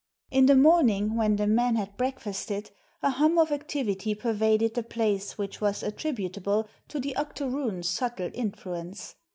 In the morning, when the men had breakfasted, a hum of activity pervaded the place which was attributable to the octoroon's subtle influence.